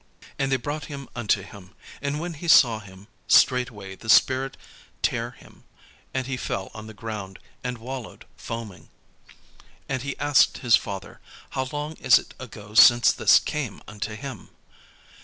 And they brought him unto him: and when he saw him, straightway the spirit tare him; and he fell on the ground, and wallowed foaming. And he asked his father, "How long is it ago since this came unto him?"